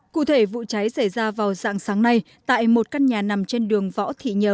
cụ thể vụ cháy xảy ra vào dạng sáng nay tại một căn nhà nằm trên đường võ thị nhờ